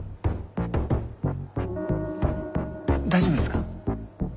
大丈夫ですか？